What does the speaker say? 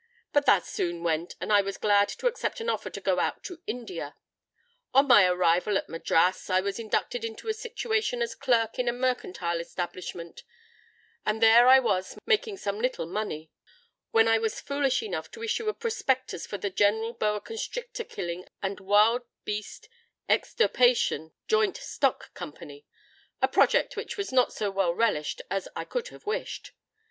But that soon went; and I was glad to accept an offer to go out to India. On my arrival at Madras I was inducted into a situation as clerk in a mercantile establishment; and there I was making some little money, when I was foolish enough to issue a prospectus for the 'General Boa Constrictor Killing and Wild Beast Extirpation Joint Stock Company,'—a project which was not so well relished as I could have wished.